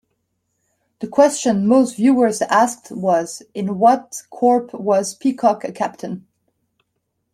The question most viewers asked was: in what corps was Peacock a captain?